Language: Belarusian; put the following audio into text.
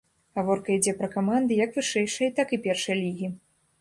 Гаворка ідзе пра каманды як вышэйшай, так і першай лігі.